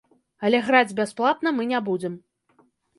Але граць бясплатна мы не будзем.